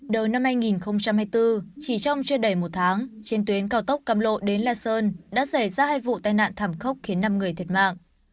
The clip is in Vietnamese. đầu năm hai nghìn hai mươi bốn chỉ trong chưa đầy một tháng trên tuyến cao tốc cam lộ đến la sơn đã xảy ra hai vụ tai nạn thảm khốc khiến năm người thiệt mạng